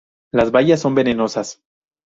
Las bayas son venenosas.